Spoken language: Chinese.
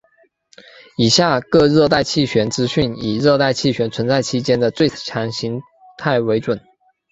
以下各热带气旋资讯以热带气旋存在期间的最强形态为准。